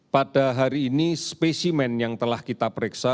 pada hari ini spesimen yang telah kita periksa